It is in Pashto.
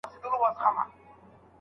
خلک له خپلو ستونزو سره مبارزه کوله.